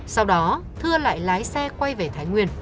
sau đó thưa lại lái xe quay về thái nguyên